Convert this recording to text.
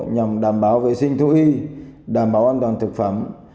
nhằm đảm bảo vệ sinh thú y đảm bảo an toàn thực phẩm